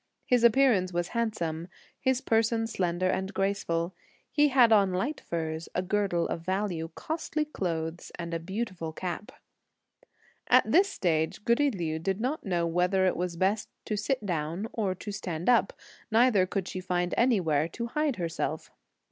His appearance was handsome, his person slender and graceful. He had on light furs, a girdle of value, costly clothes and a beautiful cap. At this stage, goody Liu did not know whether it was best to sit down or to stand up, neither could she find anywhere to hide herself.